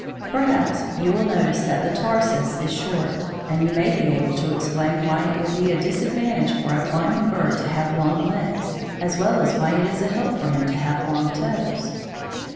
Perhaps you will notice that the tarsus is short, and you may be able to explain why it would be a disadvantage for a climbing bird to have long legs, as well as why it is a help for him to have long toes.